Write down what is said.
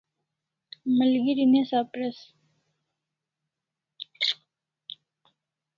Malgeri ne sapres